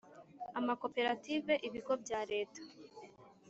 amakoperative ibigo bya Leta